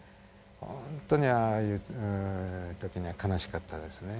ほんとにああいう時には悲しかったですね。